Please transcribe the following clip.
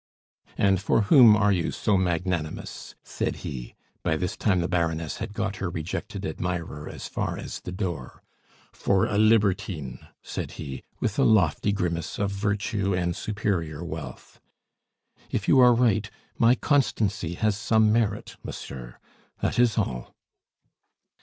"And for whom are you so magnanimous?" said he. By this time the baroness had got her rejected admirer as far as the door. "For a libertine!" said he, with a lofty grimace of virtue and superior wealth. "If you are right, my constancy has some merit, monsieur. That is all."